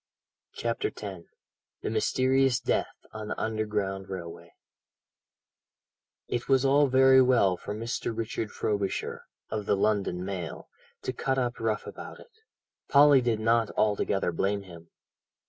CHAPTER X THE MYSTERIOUS DEATH ON THE UNDERGROUND RAILWAY It was all very well for Mr. Richard Frobisher (of the London Mail) to cut up rough about it. Polly did not altogether blame him.